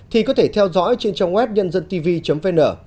thì có thể theo dõi trên trang web nhân dân tv vn